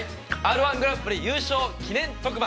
◆Ｒ−１グランプリ優勝記念特番